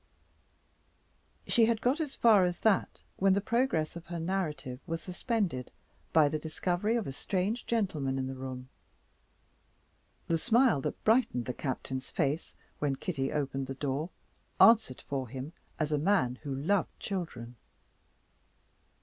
She had got as far as that, when the progress of her narrative was suspended by the discovery of a strange gentleman in the room. The smile that brightened the captain's face, when Kitty opened the door, answered for him as a man who loved children.